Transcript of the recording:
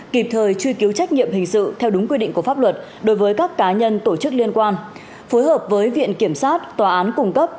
kịp thời truy cứu trách nhiệm hình sự theo đúng quy định của pháp luật đối với các cá nhân tổ chức liên quan phối hợp với viện kiểm sát tòa án cung cấp